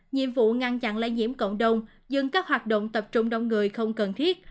nhiệm vụ ngăn chặn lây nhiễm cộng đồng dừng các hoạt động tập trung đông người không cần thiết